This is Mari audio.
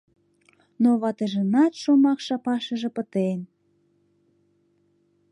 Но ватыжынат шомак шапашыже пытен.